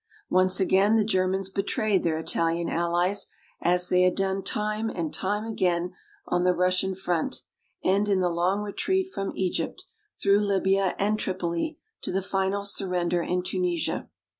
Once again the Germans betrayed their Italian allies, as they had done time and time again on the Russian front and in the long retreat from Egypt, through Libya and Tripoli, to the final surrender in Tunisia.